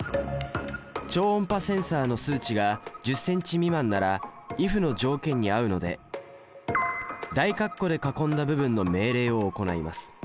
超音波センサの数値が１０ｃｍ未満なら「ｉｆ」の条件に合うので大括弧で囲んだ部分の命令を行います。